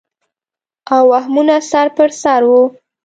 او وهمونه سر پر سر وو